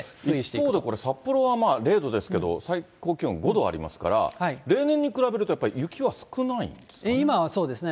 一方で、札幌は０度ですけれども、最高気温５度ありますから、例年に比べるとやっぱり雪は少ないんですかね。